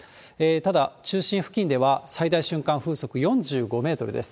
ただ、中心付近では最大瞬間風速４５メートルです。